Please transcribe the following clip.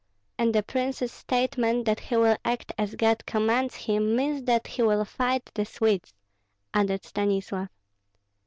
"And the prince's statement that he will act as God commands him, means that he will fight the Swedes," added Stanislav.